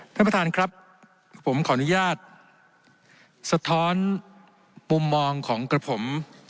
ท่านประธานครับผมขออนุญาตสะท้อนมุมมองของกระผม